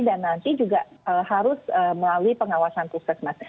dan nanti juga harus melalui pengawasan puskesmas